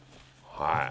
はい。